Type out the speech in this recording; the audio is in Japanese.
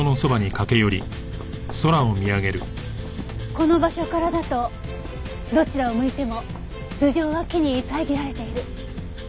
この場所からだとどちらを向いても頭上は木に遮られている。